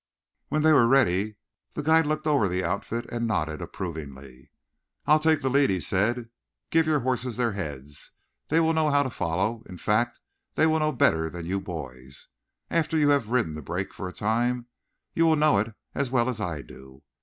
When they were ready, the guide looked over the outfit and nodded approvingly. "I'll take the lead," he said. "Give your horses their heads. They will know how to follow; in fact, they will know better than you boys. After you have ridden the brake for a time you will know it as well as I do.